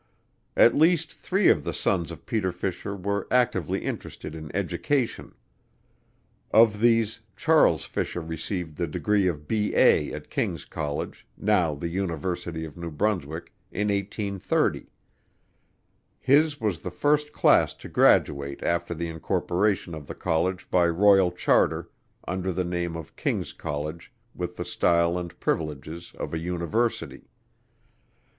At least three of the sons of Peter Fisher were actively interested in education. Of these Charles Fisher received the degree of B.A. at King's College, now the University of New Brunswick, in 1830. His was the first class to graduate after the incorporation of the college by Royal Charter, under the name of King's College with the style and privileges of a University.